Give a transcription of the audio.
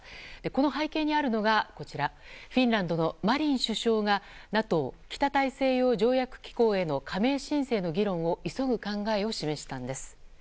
この背景にあるのがフィンランドのマリン首相がＮＡＴＯ・北大西洋条約機構への加盟申請の議論を急ぐ考えを示したんです。